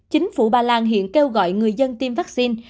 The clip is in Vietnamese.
chính phủ bà làng hiện kêu gọi người dân tiêm vaccine